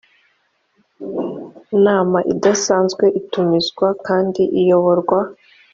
nama idasanzwe itumizwa kandi ikayoborwa